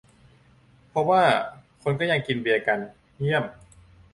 พบว่าคนก็ยังกินเบียร์กัน เยี่ยม !